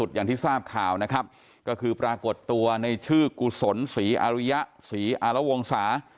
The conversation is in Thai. อดีตสส